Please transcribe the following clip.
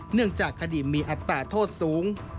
เนื่องจากคดีมีอัตราโทษสูง